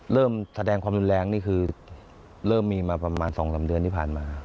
เริ่มแสดงความรุนแรงนี่คือเริ่มมีมาประมาณ๒๓เดือนที่ผ่านมา